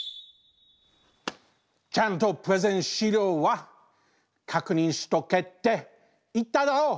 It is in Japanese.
ちゃんとプレゼン資料は確認しとけって言ったろう！？